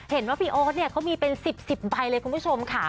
เห็นว่าพี่โอ๊ตเนี่ยเขามีเป็น๑๐๑๐ใบเลยคุณผู้ชมค่ะ